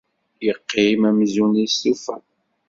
Iqqim amzun istufa.